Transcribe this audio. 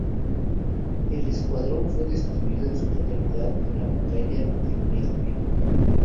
El escuadrón fue destruido en su totalidad en la batalla de Midway.